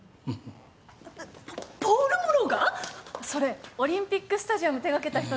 それオリンピックスタジアム手掛けた人でしょ？